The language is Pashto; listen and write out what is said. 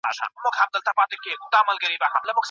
که د فکري جريانونو سرچينې ونه څېړل سي نو ابهام به پاته سي.